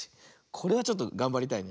これはちょっとがんばりたい。